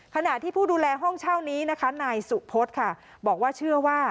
ขณะที่ผู้ดูแลห้องเช่านี้นะคะนายสุพศค่ะบอกว่าเชื่อว่า